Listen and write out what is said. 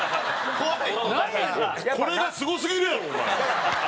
これがすごすぎるやろお前。